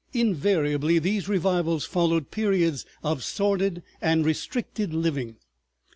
Invariably these revivals followed periods of sordid and restricted living.